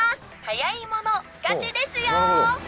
早い者勝ちですよ！